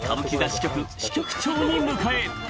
支局支局長に迎え